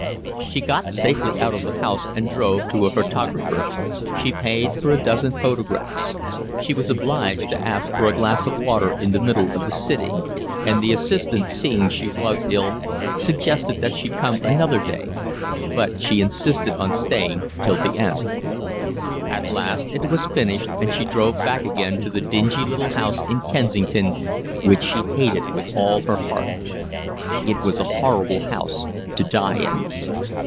She got safely out of the house and drove to a photographer. She paid for a dozen photographs. She was obliged to ask for a glass of water in the middle of the sitting; and the assistant, seeing she was ill, suggested that she should come another day, but she insisted on staying till the end. At last it was finished, and she drove back again to the dingy little house in Kensington which she hated with all her heart. It was a horrible house to die in.